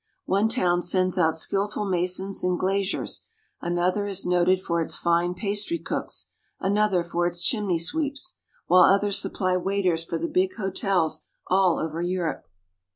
One town sends out skillful masons and glaziers, another is noted for its fine pastry cooks, another for its chimney sweeps, while others supply waiters for the big hotels all over Europe.